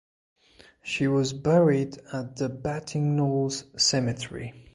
She was buried at the Batignolles Cemetery.